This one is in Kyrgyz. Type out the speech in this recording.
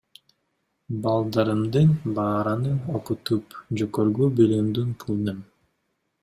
Балдарымдын баарын окутуп жогорку билимдүү кылдым.